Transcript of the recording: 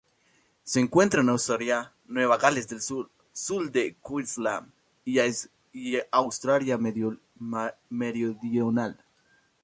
Se encuentra en Australia: Nueva Gales del Sur, sur de Queensland y Australia Meridional.